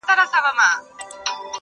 پر امیر باندي هغه ګړی قیامت سو-